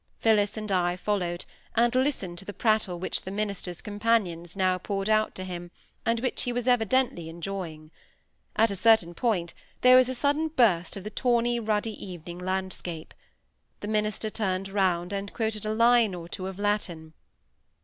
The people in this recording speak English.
Phillis and I followed, and listened to the prattle which the minister's companions now poured out to him, and which he was evidently enjoying. At a certain point, there was a sudden burst of the tawny, ruddy evening landscape. The minister turned round and quoted a line or two of Latin.